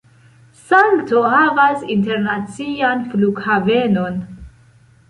Salto havas internacian flughavenon.